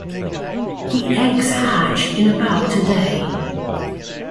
The eggs hatch in about a day.